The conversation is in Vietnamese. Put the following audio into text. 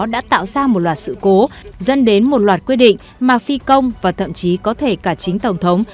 đã tạo ra một loạt sự cố dẫn đến một loạt quy định mà phi công và thậm chí có thể cả chính tổng thống